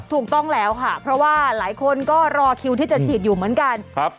ถูกต้องแล้วค่ะเพราะว่าหลายคนก็รอคิวที่จะฉีดอยู่เหมือนกันครับ